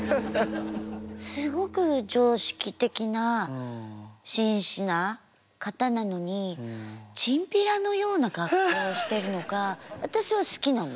すごく常識的な真摯な方なのにチンピラのような格好をしてるのが私は好きなの。